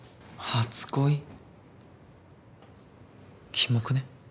キモくね？